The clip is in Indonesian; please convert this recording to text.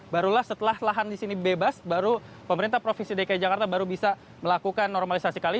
barulah setelah lahan di sini bebas baru pemerintah provinsi dki jakarta baru bisa melakukan normalisasi kali